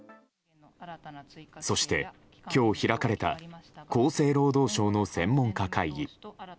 そして今日開かれた厚生労働省の専門家会議。